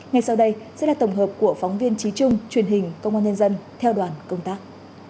ngay sau đây sẽ là tổng hợp của phóng viên trí trung truyền hình công an nhân dân theo đoàn công tác